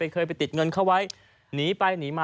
เคยไปติดเงินเข้าไว้หนีไปหนีมา